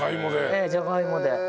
ええじゃがいもで。